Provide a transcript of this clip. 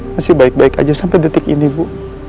masih baik baik aja sampai detik ini bu